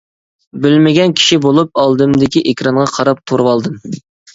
بىلمىگەن كىشى بولۇپ، ئالدىمدىكى ئېكرانغا قاراپ تۇرۇۋالدىم.